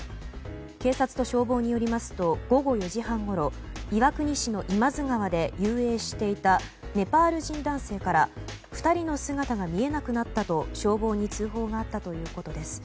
警察と消防によりますと午後４時半ごろ岩国市の今津川で遊泳していたネパール人男性から２人の姿が見えなくなったと消防に通報があったということです。